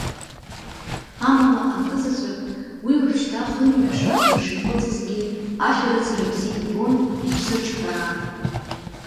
Амала, акызаҵәык, уи уажәшьҭа хынҩажәа шықәса шихыҵхьазгьы, ашәарыцара бзиа ибон, иԥсы аҿҳәаран.